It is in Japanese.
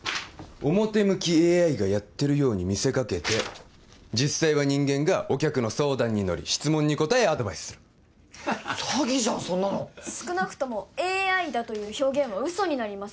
表向きＡＩがやってるように見せかけて実際は人間がお客の相談に乗り質問に答えアドバイスする詐欺じゃんそんなの少なくともＡＩだという表現は嘘になります